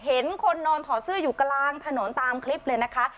เห็นคนนอนถอดเสื้ออยู่กลางถนนตามคลิปเลยนะคะ